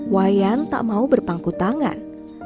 wayan tak mau berpangku tangan